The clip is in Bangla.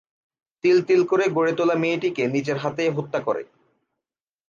তিল তিল করে গড়ে তোলা মেয়েটিকে নিজের হাতে হত্যা করে।